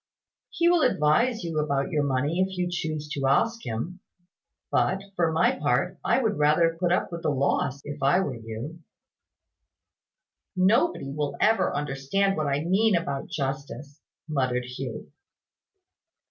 He will advise you about your money, if you choose to ask him: but, for my part, I would rather put up with the loss, if I were you." "Nobody will ever understand what I mean about justice," muttered Hugh.